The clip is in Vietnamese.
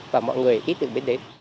và mọi người ít được biết đến